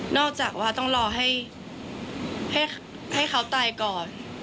จากว่าต้องรอให้เขาตายก่อน